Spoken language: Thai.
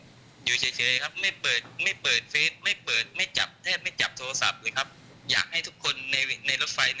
อาจจะเป็นเพราะหายใจไม่ไหวแล้วน่าจะเป็นการเข้าใจผิดมากกว่า